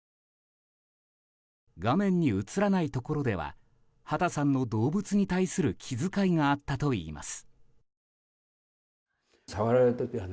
画面に映らないところでは畑さんの動物に対する気遣いがあったといいます。